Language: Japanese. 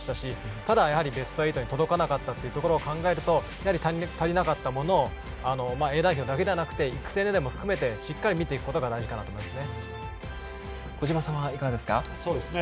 ただ、やはりベスト８に届かなかったというところ考えるとやはり足りなかったものをＡ代表だけではなく育成も含めてしっかり見ていくことが小島さんはいかがですか？